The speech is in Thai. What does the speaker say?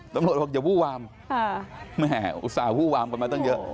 ตำรวจบอกอย่าวู้วามแม่อุตส่าหวู้วามกันมาตั้งเยอะ